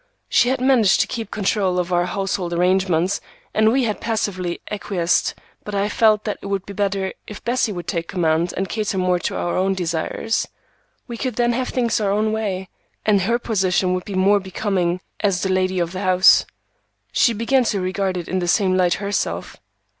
She had managed to keep control of our household arrangements and we had passively acquiesced, but I felt that it would be better if Bessie would take command and cater more to our own desires. We could then have things our own way, and her position would be more becoming as the lady of the house. She began to regard it in the same light herself.